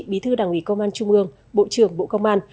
bí thư đảng ủy công an trung ương bộ trưởng bộ công an